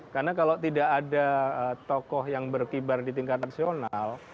karena kalau tidak ada tokoh yang berkibar di tingkat nasional